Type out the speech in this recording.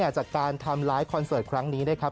จากการทำไลฟ์คอนเสิร์ตครั้งนี้